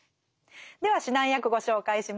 では指南役ご紹介します。